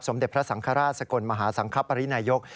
เด็จพระสังฆราชสกลมหาสังคปรินายก